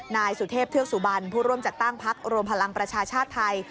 นายสุเทพเทือกสุบันผู้ร่วมจัดตั้งพักรวมพลังประชาชาติไทย